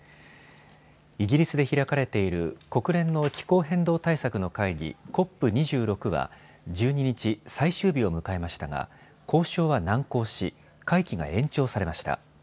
イギリスで開かれている国連の気候変動対策の会議、ＣＯＰ２６は１２日、最終日を迎えましたが交渉は難航し会期が延長されました。